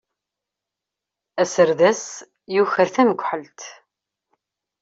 Aserdas yuker tamekḥelt.